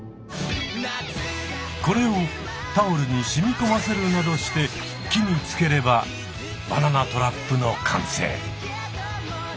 これをタオルにしみこませるなどして木につければバナナトラップの完成。